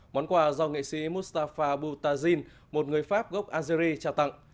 món quà do nghệ sĩ moustapha boutazine một người pháp gốc algerie trao tặng